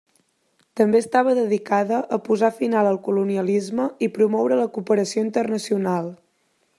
També estava dedicada a posar final al colonialisme i promoure la cooperació internacional.